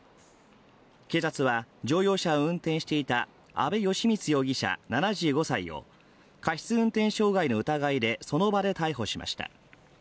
警察は、乗用車を運転していた阿部資満容疑者７５歳を過失運転傷害の疑いでその場で逮捕しました。